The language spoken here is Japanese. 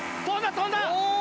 飛んだ！